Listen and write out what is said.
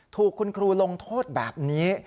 ถูกคุณครูลงโทษแบบนี้